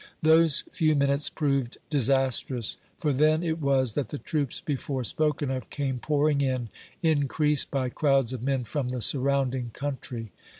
Those few minutes proved disastrous, for then it was that the troops before spoken of came pouring in, in creased by crowds of men from the surrounding country.